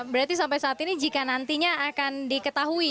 berarti sampai saat ini jika nantinya akan diketahui